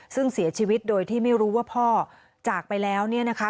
ซึ่งเสียชีวิตโดยที่ไม่รู้ว่าพ่อจากไปแล้วเนี่ยนะคะ